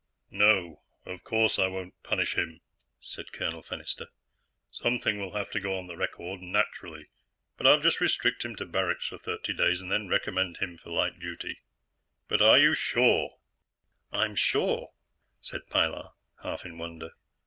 "No, of course I won't punish him," said Colonel Fennister. "Something will have to go on the record, naturally, but I'll just restrict him to barracks for thirty days and then recommend him for light duty. But are you sure?" "I'm sure," said Pilar, half in wonder.